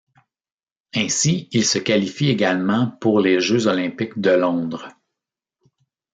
Ainsi, ils se qualifient également pour les Jeux olympiques de Londres.